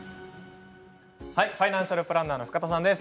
ファイナンシャルプランナーの深田さんです。